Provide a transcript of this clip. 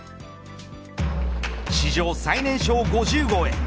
史上最年少５０号へ。